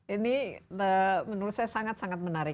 ini menurut saya sangat sangat menarik